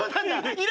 いる！